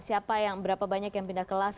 siapa yang berapa banyak yang pindah kelas